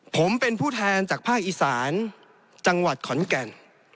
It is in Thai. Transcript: ผมเป็นผู้แทนจากภาคอีสานจังหวัดขอนแก่น